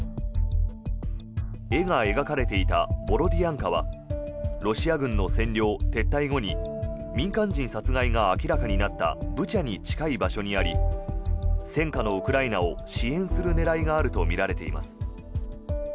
絵が描かれていたボロディアンカはロシア軍の占領・撤退後に民間人殺害が明らかになったブチャに近い場所にあり戦禍のウクライナを支援する狙いがあるとみられています。